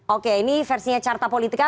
oke ini versinya carta politika